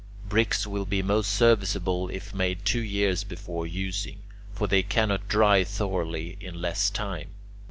Bricks will be most serviceable if made two years before using; for they cannot dry thoroughly in less time.